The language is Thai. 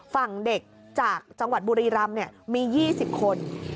ฝั่งเด็กจากจังหวัดบุรีรำมี๒๐คน